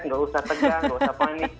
nggak usah tegang nggak usah panik